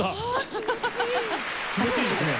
気持ちいいですね。